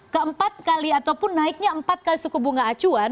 keempat kali ataupun naiknya empat kali suku bunga acuan